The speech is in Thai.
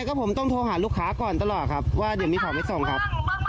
ก็ผมต้องโทรหาลูกค้าก่อนตลอดครับว่าเดี๋ยวมีของไปส่งครับ